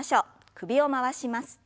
首を回します。